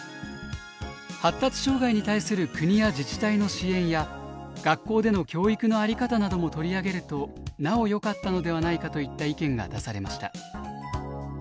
「発達障害に対する国や自治体の支援や学校での教育の在り方なども取り上げるとなおよかったのではないか」といった意見が出されました。